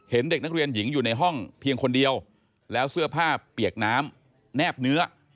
เห็นเด็กนักเรียนหญิงอยู่ในห้องเพียงคนเดียวแล้วเสื้อผ้าเปียกน้ำแนบเนื้อ